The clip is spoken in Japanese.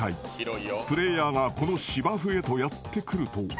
［プレーヤーがこの芝生へとやって来ると］